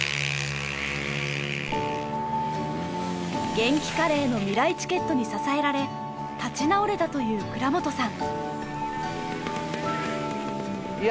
げんきカレーのみらいチケットに支えられ立ち直れたという倉本さん。